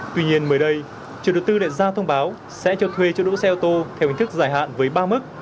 tuy nhiên mới đây chủ đầu tư đã ra thông báo sẽ cho thuê chỗ đỗ xe ô tô theo hình thức giải hạn với ba mức